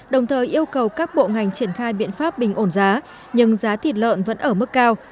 đồng thời yêu cầu các bộ ngành triển khai biện pháp bình ổn giá nhưng giá thịt lợn vẫn ở mức cao